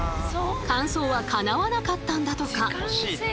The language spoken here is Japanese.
完走はかなわなかったんだとか。